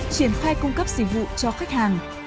triển khai cung cấp dịch vụ cho khách hàng